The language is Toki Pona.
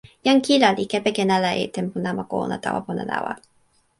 jan Kila li kepeken ala e tenpo namako ona tawa pona lawa.